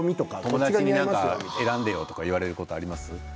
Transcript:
友達に選んでよと言われることはありますか？